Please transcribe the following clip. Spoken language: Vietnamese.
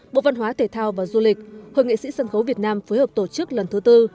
bộ văn hóa thể thao và du lịch hội nghệ sĩ sân khấu việt nam phối hợp tổ chức lần thứ tư